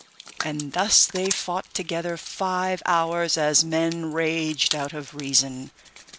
And thus they fought together five hours as men raged out of reason.